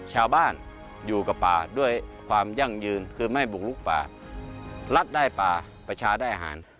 ชาวบ้านอยู่กับป่าด้วยความยั่งยืนคือไม่บุกลุกป่ารัฐได้ป่าประชาได้อาหาร